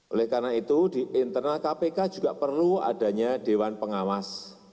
oleh karena itu di internal kpk juga perlu adanya dewan pengawas